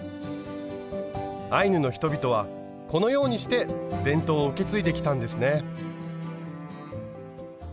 アイヌの人々はこのようにして伝統を受け継いできたんですね。